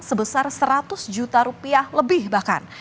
sebesar seratus juta rupiah lebih bahkan